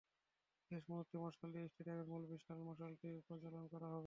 শেষ মুহূর্তে মশাল দিয়ে স্টেডিয়ামের মূল বিশাল মশালটি প্রজ্বালন করা হবে।